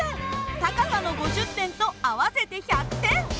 高さの５０点と合わせて１００点。